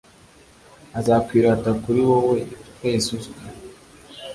azakwirata kuri wowe wese uzwi